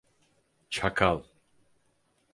Çakal.